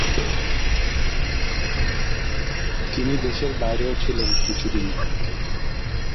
তিনি দেশের বাইরেও ছিলেন কিছু দিন।